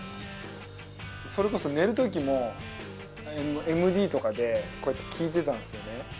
それこそ寝る時もＭＤとかでこうやって聴いてたんですよね。